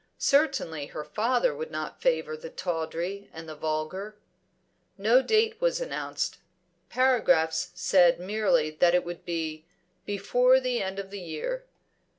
Certainly her father would not favour the tawdry and the vulgar. No date was announced. Paragraphs said merely that it would be "before the end of the year."